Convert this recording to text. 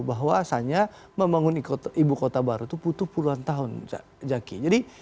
bahwa asalnya membangun ibu kota baru itu butuh puluhan tahun jaki